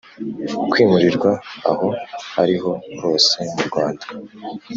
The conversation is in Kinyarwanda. kwimurirwa aho ariho hose mu Rwanda